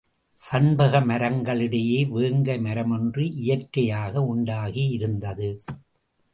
சண்பக மரங்களுக்கிடையே வேங்கை மரமொன்று இயற்கையாக உண்டாகியிருந்தது.